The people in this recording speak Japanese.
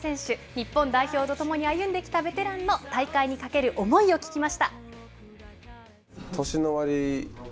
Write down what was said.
日本代表とともに歩んできたベテランの大会にかける思いを聞きま